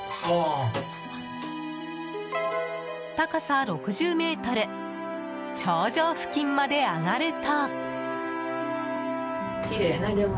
高さ６０ｍ頂上付近まで上がると。